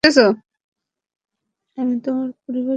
আমি তোর পরিবার ফিরিয়ে দেব।